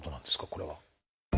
これは。